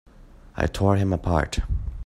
I tore him apart!